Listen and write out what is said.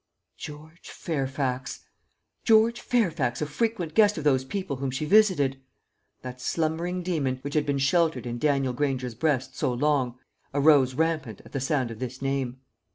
George Fairfax! George Fairfax a frequent guest of those people whom she visited! That slumbering demon, which had been sheltered in Daniel Granger's breast so long, arose rampant at the sound of this name.